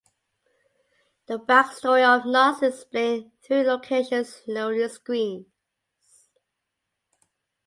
The back-story of "Nox" is explained through location loading screens.